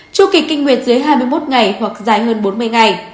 chu kỳ kinh nguyệt dưới hai mươi một ngày hoặc dài hơn bốn mươi ngày